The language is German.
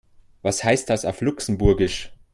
Was heißt das auf Luxemburgisch?